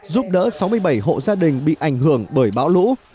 giúp đỡ sáu mươi bảy hộ gia đình bị ảnh hưởng bởi bão lũ